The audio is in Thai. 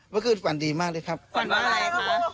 เมื่อคืนฝันดีมากเลยครับฝันว่าอะไรคะ